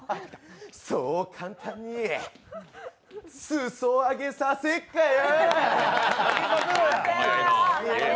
そう簡単に、裾上げさせっかよ。